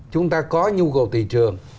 chúng ta có nhu cầu thị trường